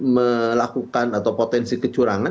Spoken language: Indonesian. melakukan atau potensi kecurangan